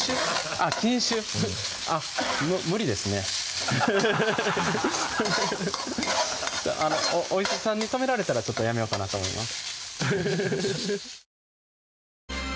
あっ禁酒無理ですねお医者さんに止められたらやめようかなと思います